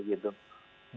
kemudian yang kedua ya